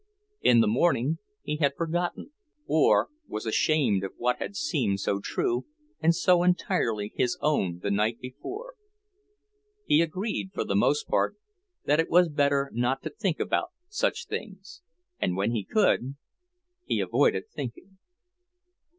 In the morning he had forgotten, or was ashamed of what had seemed so true and so entirely his own the night before. He agreed, for the most part, that it was better not to think about such things, and when he could he avoided thinking.